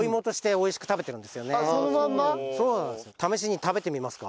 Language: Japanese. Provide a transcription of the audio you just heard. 試しに食べてみますか？